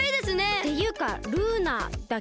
っていうかルーナだっけ？